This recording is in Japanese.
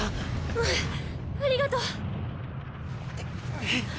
うんありがと。